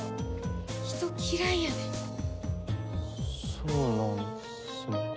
そうなんですね。